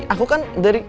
aku kan dari